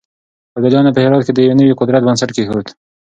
ابدالیانو په هرات کې د يو نوي قدرت بنسټ کېښود.